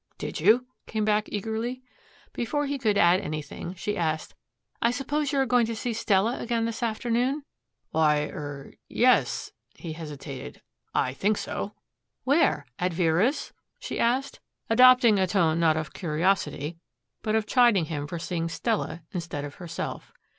"Did you?" came back eagerly. Before he could add anything she asked, "I suppose you are going to see Stella again this afternoon." "Why er yes," he hesitated. "I think so." "Where? At Vera's?" she asked, adopting a tone not of curiosity but of chiding him for seeing Stella instead of herself.